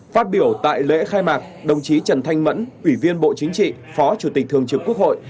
phát biểu tại lễ khai mạc đồng chí trần thanh mẫn ủy viên bộ chính trị phó chủ tịch thường trực quốc hội